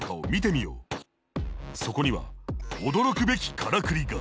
そこには驚くべきカラクリが！